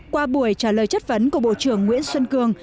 qua buổi trả lời chất vấn của bộ trưởng nguyễn xuân cường